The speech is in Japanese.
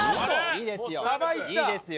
いいですよ。